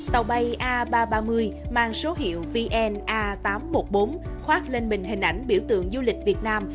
tàu bay a ba trăm ba mươi mang số hiệu vn a tám trăm một mươi bốn khoát lên mình hình ảnh biểu tượng du lịch việt nam